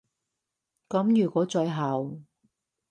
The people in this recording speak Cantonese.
噉如果最後